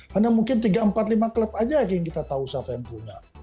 karena mungkin tiga empat lima klub aja yang kita tahu siapa yang punya